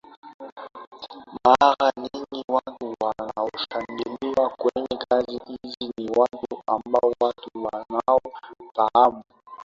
mara nyingi watu wanaochaguliwa kwenye kazi hizi ni watu ambao watu wanao fahamu